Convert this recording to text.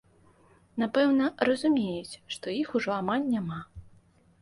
Напэўна, разумеюць, што іх ужо амаль няма.